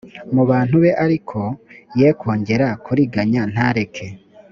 mu bantu be ariko ye kongera kuriganya ntareke